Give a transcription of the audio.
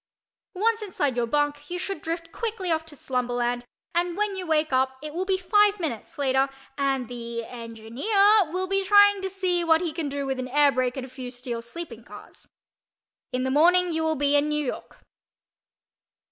Once inside your "bunk" you should drift quickly off to slumberland, and when you wake up it will be five minutes later and the————engineer will be trying to see what he can do with an air brake and a few steel sleeping cars. In the morning you will be in New York.